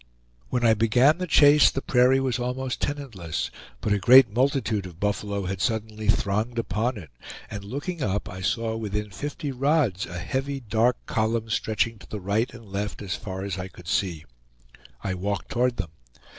When I began the chase, the prairie was almost tenantless; but a great multitude of buffalo had suddenly thronged upon it, and looking up, I saw within fifty rods a heavy, dark column stretching to the right and left as far as I could see. I walked toward them.